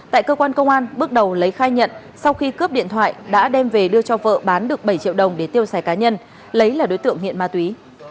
tại cơ quan công an bước đầu lấy khai nhận sau khi cướp điện thoại đã đem về đưa cho vợ bán được bảy triệu đồng để tiêu xài cá nhân lấy là đối tượng nghiện ma túy